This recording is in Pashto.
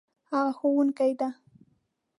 هغه ښوونکې ده